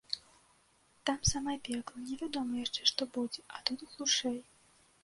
Там самае пекла, невядома яшчэ, што будзе, а тут глушэй.